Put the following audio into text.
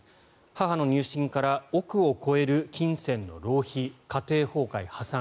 母の入信から億を超える金銭の浪費、家庭崩壊、破産